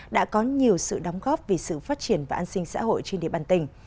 đã có nhiều sự đóng góp vì sự phát triển và an sinh xã hội trên địa bàn tỉnh